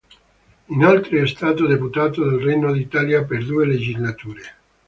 Inoltre è stato Deputato del Regno d'Italia per due legislature.